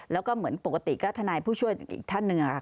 แล้วก็เหมือนปกติก็ทนายผู้ช่วยอีกท่านหนึ่งค่ะ